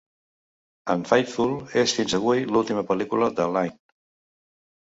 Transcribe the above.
"Unfaithful" és, fins avui, l'última pel·lícula de Lyne.